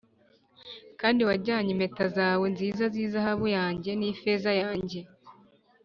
Kandi wajyanye impeta zawe nziza z’izahabu yanjye n’ifeza yanjye